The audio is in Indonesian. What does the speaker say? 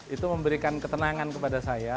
itu memberikan ketenangan kepada saya